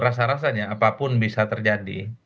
rasa rasanya apapun bisa terjadi